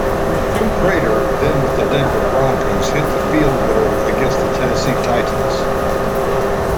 Prater, then with the Denver Broncos, hit the field goal against the Tennessee Titans.